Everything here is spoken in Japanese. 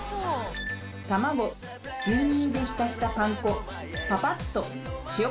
卵牛乳で浸したパン粉パパッと塩コショウ。